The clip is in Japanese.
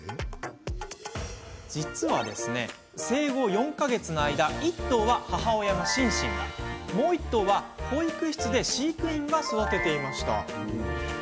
実は、生後４か月の間１頭は母親のシンシンがもう１頭は保育室で飼育員が育てていました。